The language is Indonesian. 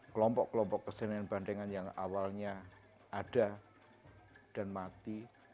kelompok kelompok kesenian bandengan yang awalnya ada dan mati